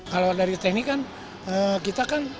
kalau dari teknik kan kita kan